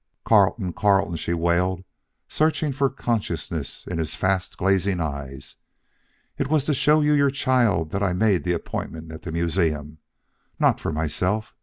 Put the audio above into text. "Carleton! Carleton!" she wailed, searching for consciousness in his fast glazing eye. "It was to show you your child that I made the appointment at the museum. Not for myself.